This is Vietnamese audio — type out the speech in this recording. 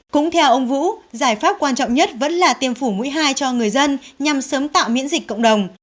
cũng theo ông vũ giải pháp quan trọng nhất vẫn là tiêm phủ mũi hai cho người dân nhằm sớm tạo miễn dịch cộng đồng